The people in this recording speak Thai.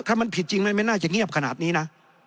ถ้ามันผิดจริงมันไม่น่าจะเงียบขนาดนี้นะ